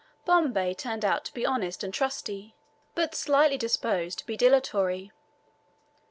Bombay turned out to be honest and trusty, but slightly disposed to be dilatory.